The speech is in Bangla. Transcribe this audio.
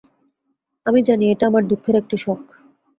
আমি জানি এটা আমার দুঃখের একটি শখ।